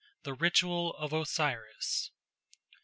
The Ritual of Osiris 1.